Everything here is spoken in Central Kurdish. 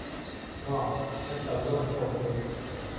تۆم، هێشتا زۆرم خۆش دەوێیت.